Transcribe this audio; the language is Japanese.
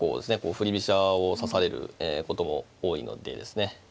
振り飛車を指されることも多いのでですね